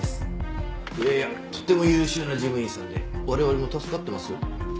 いやいやとても優秀な事務員さんで我々も助かってますよ。